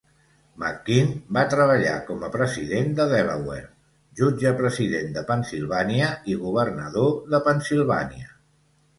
McKean va treballar com a president de Delaware, jutge president de Pennsilvània i governador de Pennsilvània.